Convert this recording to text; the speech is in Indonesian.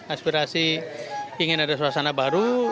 aspirasi ingin ada suasana baru